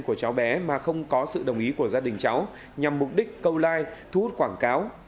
của cháu bé mà không có sự đồng ý của gia đình cháu nhằm mục đích câu like thu hút quảng cáo